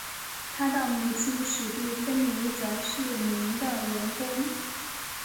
他的母亲史蒂芬妮则是名的员工。